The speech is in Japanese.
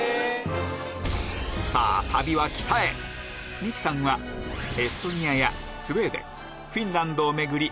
さぁ旅は北へ三木さんはエストニアやスウェーデンフィンランドを巡り